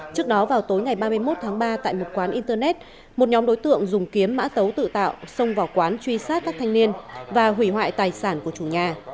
trước đó vào tối ngày ba mươi một tháng ba tại một quán internet một nhóm đối tượng dùng kiếm mã tấu tự tạo xông vào quán truy sát các thanh niên và hủy hoại tài sản của chủ nhà